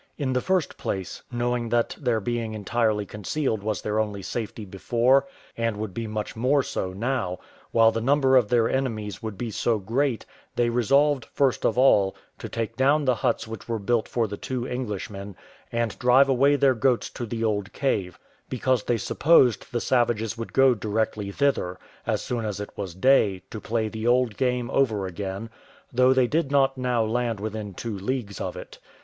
In the first place, knowing that their being entirely concealed was their only safety before and would be much more so now, while the number of their enemies would be so great, they resolved, first of all, to take down the huts which were built for the two Englishmen, and drive away their goats to the old cave; because they supposed the savages would go directly thither, as soon as it was day, to play the old game over again, though they did not now land within two leagues of it.